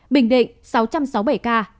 bình định sáu trăm sáu mươi bảy ca